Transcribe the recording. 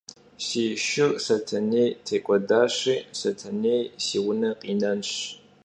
Si şşır Setenêy têk'uedaşi, Setenêy si vune khinenş.